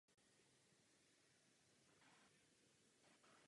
Co míníme spravedlivými poplatky?